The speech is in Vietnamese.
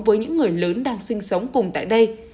với những người lớn đang sinh sống cùng tại đây